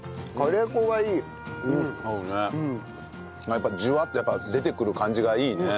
やっぱジュワッて出てくる感じがいいね。